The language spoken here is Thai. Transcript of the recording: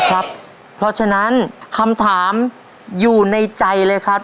เพราะฉะนั้นคำถามอยู่ในใจเลยครับ